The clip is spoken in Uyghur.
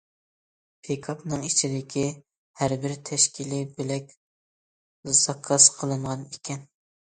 پىكاپنىڭ ئىچىدىكى ھەر بىر تەشكىلىي بۆلەك زاكاز قىلىنغان ئىكەن.